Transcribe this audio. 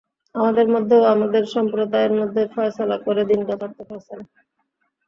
আমাদের মধ্যে ও আমাদের সম্প্রদায়ের মধ্যে ফয়সালা করে দিন যথার্থ ফয়সালা।